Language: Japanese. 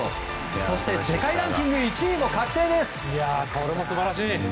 そして、世界ランキング１位も確定です。